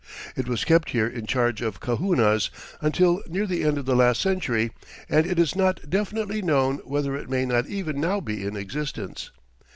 It was kept here in charge of kahunas until near the end of the last century, and it is not definitely known whether it may not even now be in existence.